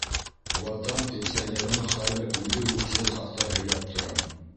Ватан пенсионерының хәле үҙе үк шул хаҡта һөйләп тора.